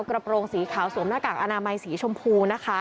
กระโปรงสีขาวสวมหน้ากากอนามัยสีชมพูนะคะ